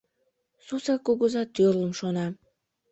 Сусыр кугыза тӱрлым шона.